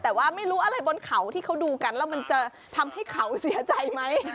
แต่ว่าไม่รู้อะไรบนเขาที่เขาดูกันแล้วมันจะทำให้เขาเสียใจไหม